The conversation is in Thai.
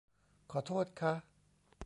ขอโทษคะ